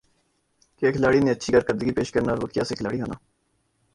کَیا کھلاڑی نے اچھی کارکردگی پیش کرنا اور وُہ کَیا سے کھلاڑی ہونا